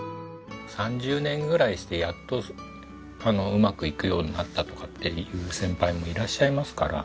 ３０年ぐらいしてやっとうまくいくようになったとかっていう先輩もいらっしゃいますから。